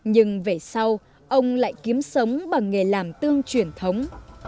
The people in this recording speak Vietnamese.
nhưng về sau ông lại kiếm sống bằng nghề làm tương truyền thống